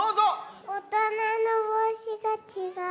おとなのぼうしがちがう。